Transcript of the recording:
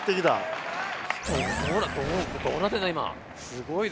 すごいぞ。